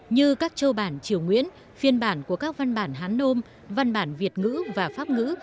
như các châu bản triều nguyễn phiên bản của các văn bản hán nôm văn bản việt ngữ và pháp ngữ